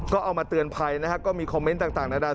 ก็เอามาเตือนภัยก็มีคอมเมนต์ต่างระดาษ